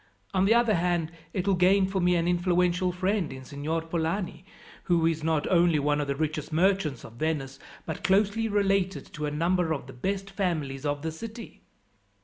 "On the other hand, it will gain for me an influential friend in Signor Polani, who is not only one of the richest merchants of Venice, but closely related to a number of the best families of the city."